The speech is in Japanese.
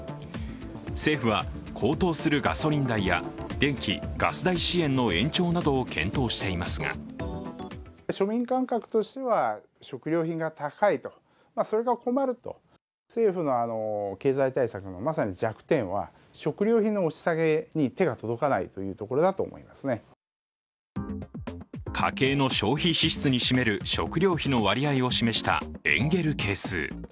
政府は高騰するガソリン代や電気・ガス代支援の延長などを検討していますが家計の消費支出に占める食糧費の割合を示したエンゲル係数。